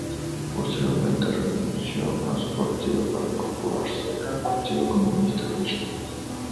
Posteriormente, renunció a su partido para incorporarse al Partido Comunista de Chile.